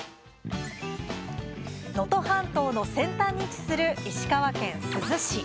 能登半島の先端に位置する石川県珠洲市。